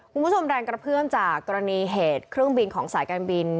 คุณผู้ชมแรงกระเพื่อมจากกรณีเหตุเครื่องบินของสายการบิน